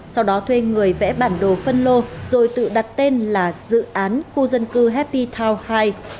sau đó thuê người vẽ bản đồ phân lô rồi tự đặt tên là dự án khu dân cư happy town hai